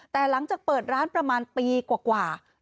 แต่หลังจากเปิดร้านประมาณปีกว่า